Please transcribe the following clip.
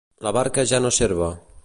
La barca ja no serva.